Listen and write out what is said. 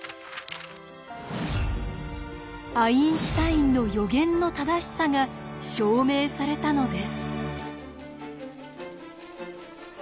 アインシュタインの予言の正しさが証明されたのです。